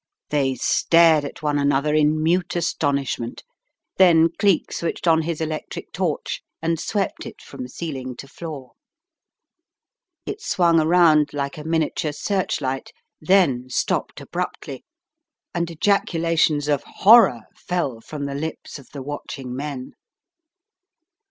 They stared at one another in mute astonishment, then Cleek switched on his electric torch and swept it from ceiling to floor. It swung around like a miniature searchlight, then stopped abruptly, and ejaculations of horror fell from the lips of the watching men.